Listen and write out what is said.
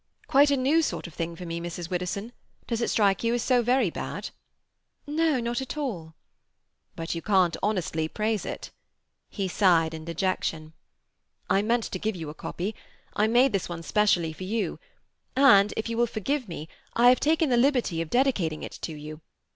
"Quite a new sort of thing for me, Mrs. Widdowson. Does it strike you as so very bad?" "No—not at all." "But you can't honestly praise it?" He sighed, in dejection. "I meant to give you a copy. I made this one specially for you, and—if you will forgive me—I have taken the liberty of dedicating it to you.